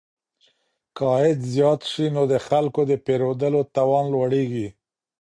که عايد زيات سي نو د خلګو د پيرودلو توان لوړيږي.